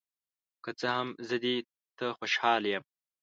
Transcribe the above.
که څه هم، زه دې ته خوشحال یم.